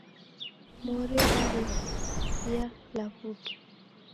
Mori ghwaw'esia law'uke